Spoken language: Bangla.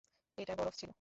এটা বরফ ছিল।